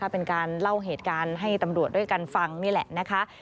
เป็นการเล่าเหตุการณ์ให้ตำรวจด้วยกันฟังนี่แหละนะคะ